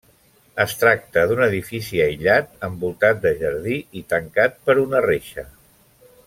Es tracta d'un edifici aïllat envoltat de jardí i tancat per una reixa.